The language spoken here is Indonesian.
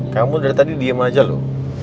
kamu dari tadi diem aja loh